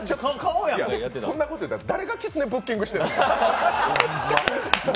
そんなこと言ったら誰がきつねをブッキングしてんの？